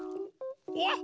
わっ！